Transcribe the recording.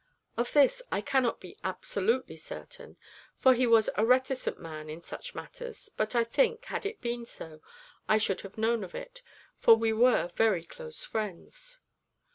Of this I cannot be absolutely certain, for he was a reticent man in such matters; but I think, had it been so, I should have known of it, for we were very close friends.